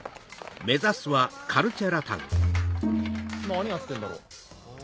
何やってんだろう？